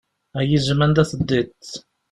Ay izem anda teddiḍ.